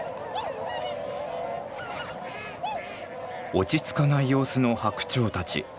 落ち着かない様子のハクチョウたち。